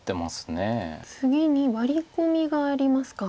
次にワリ込みがありますか。